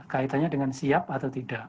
kaitannya dengan siap atau tidak